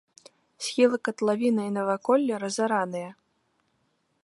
Схілы катлавіны і наваколле разараныя.